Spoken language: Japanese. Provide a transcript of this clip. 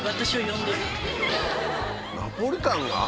ナポリタンが？